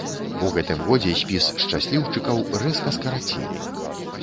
У гэтым годзе спіс шчасліўчыкаў рэзка скарацілі.